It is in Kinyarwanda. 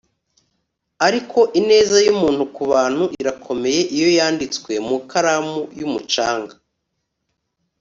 Ariko ineza yumuntu kubantu irakomeye iyo yanditswe mukaramu yumucanga